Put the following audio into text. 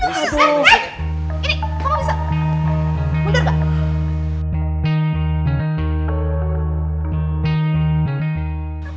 kamu bisa mundur gak